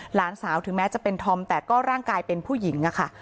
หลานสาวถึงแม้จะเป็นธอมแต่ก็ร่างกายเป็นผู้หญิงอะค่ะ